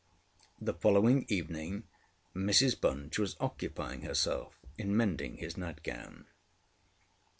The following evening Mrs Bunch was occupying herself in mending his nightgown.